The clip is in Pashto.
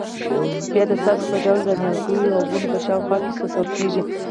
بیا د څاڅکو په ډول د نیالګیو او ونو په شاوخوا کې څڅول کېږي.